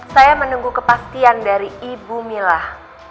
saya menunggu kepastian dari ibu milah